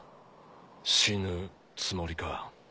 死ぬつもりか？